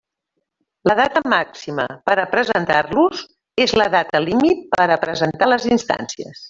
La data màxima per a presentar-los és la data límit per a presentar les instàncies.